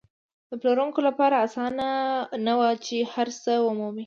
د پلورونکو لپاره اسانه نه وه چې هر څه ومومي.